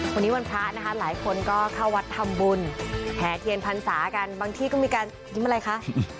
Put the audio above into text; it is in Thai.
วันนี้วันพระนะคะหลายคนก็เข้าวัดทำบุญแห่เทียนพรรษากันบางที่ก็มีการยิ้มอะไรคะ